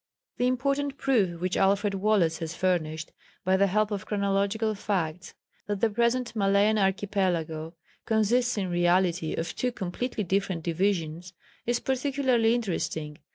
The important proof which Alfred Wallace has furnished, by the help of chorological facts, that the present Malayan Archipelago consists in reality of two completely different divisions, is particularly interesting.